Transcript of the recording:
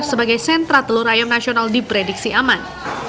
sebagai sentra telur ayam nasional diprediksi aman